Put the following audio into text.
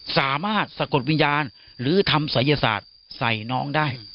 สะกดวิญญาณหรือทำศัยศาสตร์ใส่น้องได้